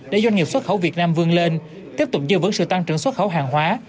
để doanh nghiệp xuất khẩu việt nam vương lên tiếp tục dư vững sự tăng trưởng xuất khẩu hàng hóa